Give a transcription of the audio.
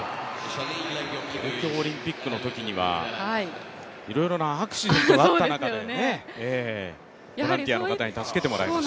東京オリンピックのときにはいろいろなアクシデントがあった中で、ボランティアの方に助けてもらいました。